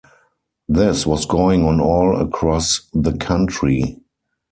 This was going on all across the country.